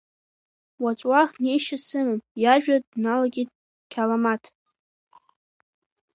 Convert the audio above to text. Уаҵә уахь неишьа сымам, иажәа дналагеит Қьаламаҭ.